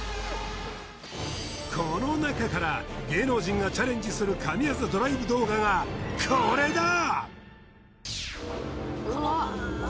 この中から芸能人がチャレンジする神業ドライブ動画がこれだ